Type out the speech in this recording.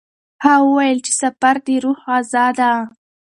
هغه وویل چې سفر د روح غذا ده.